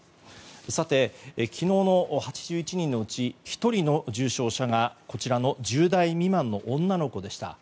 さて、昨日の８１人のうち１人の重症者が１０代未満の女の子でした。